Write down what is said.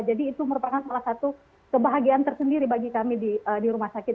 jadi itu merupakan salah satu kebahagiaan tersendiri bagi kami di rumah sakit